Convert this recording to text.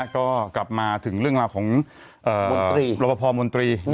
ก็กลับมาถึงเรื่องราวของมนตรีรบพมนตรี